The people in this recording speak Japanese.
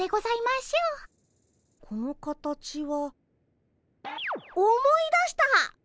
この形は思い出した！